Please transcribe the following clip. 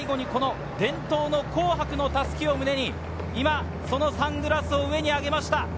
最後に伝統の紅白に襷を胸にサングラスを上にあげました。